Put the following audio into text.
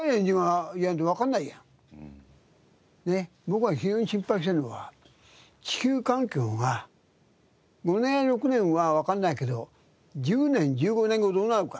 僕が非常に心配しているのは地球環境が５年６年はわからないけど１０年１５年後どうなるか。